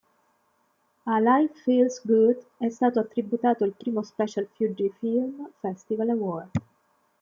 A Life feels good è stato tributato il primo Special Fiuggi Film Festival Award.